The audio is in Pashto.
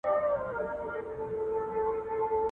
دوه غوايي يې ورته وچیچل په لار کي!